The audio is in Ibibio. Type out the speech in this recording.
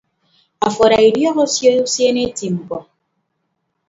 Afo ada idiọk osio usiene eti mkpọ.